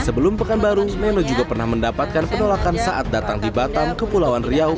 sebelum pekanbaru nenowa juga pernah mendapatkan penolakan saat datang di batam ke pulauan riau